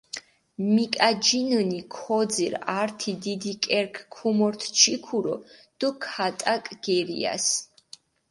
მიკაჯინჷნი, ქოძირჷ ართი დიდი კერქჷ ქომორთჷ ჯიქურო დო ქატაკჷ გერიასჷ.